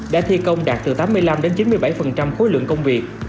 đã thi công đạt từ tám mươi năm chín mươi bảy khối lượng công việc